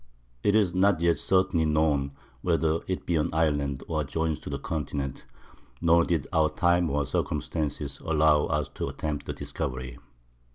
_] It is not yet certainly known whether it be an Island, or joins to the Continent, nor did either our Time or Circumstances allow us to attempt the Discovery.